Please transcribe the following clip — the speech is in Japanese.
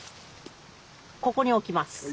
ここに置きます。